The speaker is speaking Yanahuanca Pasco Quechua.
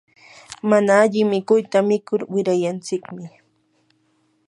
mana alli mikuyta mikur wirayanchikmi.